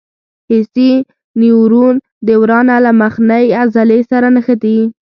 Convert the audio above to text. حسي نیورون د ورانه له مخنۍ عضلې سره نښتي.